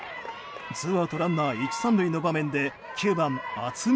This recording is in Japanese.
ツーアウトランナー１、３塁の場面で９番、渥美。